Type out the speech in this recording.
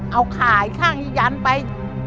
เอาขาอีกข้างยันไป